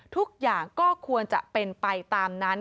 ทุกอย่างก็ควรจะเป็นไปตามนั้น